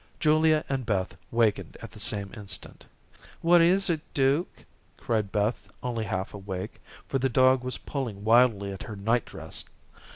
Julia and Beth wakened at the same instant. "What is it, Duke?" cried Beth only half awake, for the dog was pulling wildly at her night dress.